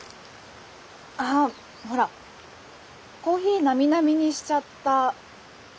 あほらコーヒーなみなみにしちゃった。